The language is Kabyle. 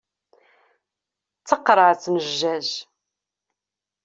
D taqerɛet n jjaj.